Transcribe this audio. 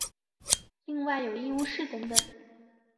另外有医务室等等。